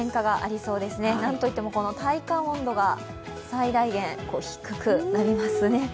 なんといっても体感温度が最大限低くなりますね。